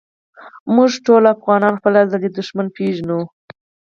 مونږ ټولو افغانان خپل ازلي دښمن پېژنو